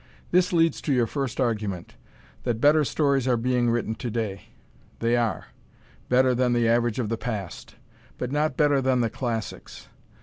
This leads to your first argument, that better stories are being written to day. They are better than the average of the past but not better than the classics.